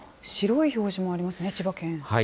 白い表示もありますね、千葉県。